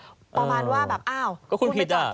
ประมาณว่าแบบอ้าวคุณไปจอดขวางอะ